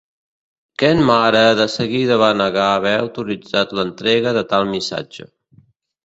Kenmare de seguida va negar haver autoritzat l'entrega de tal missatge.